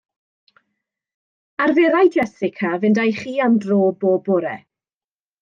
Arferai Jessica fynd â'i chi am dro bob bore.